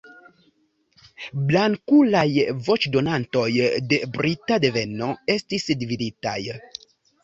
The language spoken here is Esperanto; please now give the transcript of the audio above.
Blankulaj voĉdonantoj de brita deveno estis dividitaj.